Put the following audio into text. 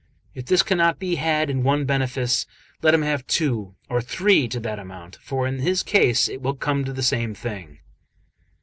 If this cannot be had in one benefice, let him have two or three to that amount, for in his case it will come to the same thing."